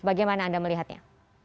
bagaimana anda melihatnya